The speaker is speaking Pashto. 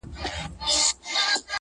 بیا میندل یې په بازار کي قیامتي وه.!